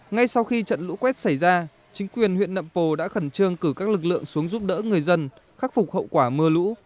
ngay sau khi trận lũ quét xảy ra chính quyền huyện nậm pồ đã khẩn trương cử các lực lượng xuống giúp đỡ người dân khắc phục hậu quả mưa lũ